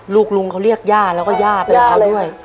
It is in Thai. ลุงเขาเรียกย่าแล้วก็ย่าไปกับเขาด้วย